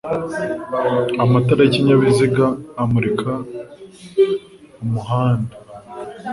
amatara y'ikinyabiziga amurika umuhanda